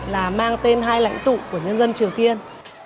là mang tên hai lãnh tụ của nhân dân triều tiên